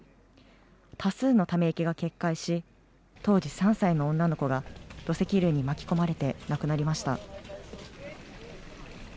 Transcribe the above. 多数のため池が決壊し、当時３歳の女の子が土石流に巻き込まれて亡くなりました。